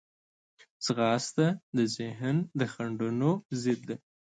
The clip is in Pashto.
ځغاسته د ذهن د خنډونو ضد ده